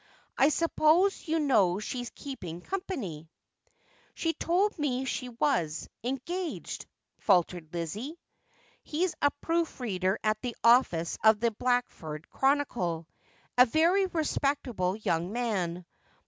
I suppose you know she's keeping company 1 ' 'She told me she was — engaged,' faltered Lizzie. ' He's a proof reader at the ollice of the Blackford Chronicle ; a very respectable young man.